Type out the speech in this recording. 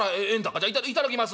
じゃ頂きます。